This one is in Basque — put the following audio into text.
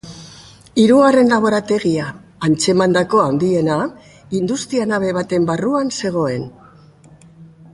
Hirugarren laborategia, antzemandako handiena, industria-nabe baten barruan zegoen.